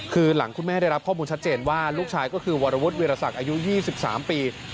คือหลังคุณแม่ได้รับข้อมูลชัดเจนว่าลูกชายก็คือวรวุฒิวิรสักอายุ๒๓ปี